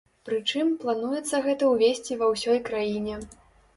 Прычым, плануецца гэта ўвесці ва ўсёй краіне.